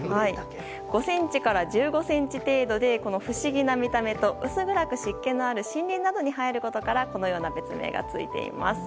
５ｃｍから１５ｃｍ程度でこの不思議な見た目と薄暗く湿気のある森林などに生えることからこのような別名がついています。